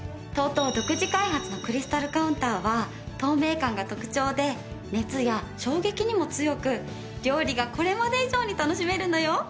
独自開発のクリスタルカウンターは透明感が特長で熱や衝撃にも強く料理がこれまで以上に楽しめるのよ。